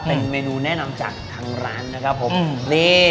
เป็นเมนูแนะนำจากทางร้านนะครับผมนี่